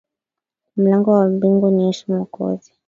Mlango wa mbingu ni Yesu Mwokozi,